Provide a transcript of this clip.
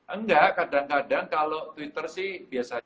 enggak kadang kadang kalau twitter sih